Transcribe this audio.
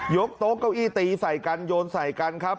โต๊ะเก้าอี้ตีใส่กันโยนใส่กันครับ